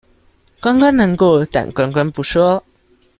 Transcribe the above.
關關難過，但關關不說